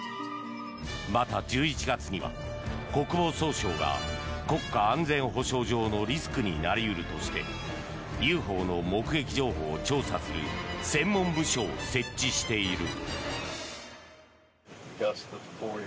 また、１１月には国防総省が国家安全保障上のリスクになり得るとしてＵＦＯの目撃情報を調査する専門部署を設置している。